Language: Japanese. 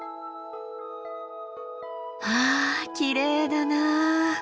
わあきれいだなあ。